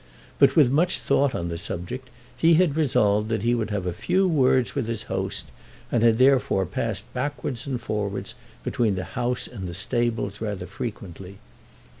But, with much thought on the subject, he had resolved that he would have a few words with his host, and had therefore passed backwards and forwards between the house and the stables rather frequently.